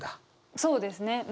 そうですね。